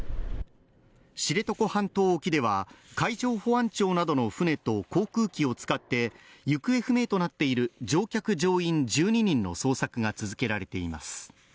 知床半島沖では、海上保安庁などの船と航空機を使って、行方不明となっている乗客乗員１２人の捜索が続けられています。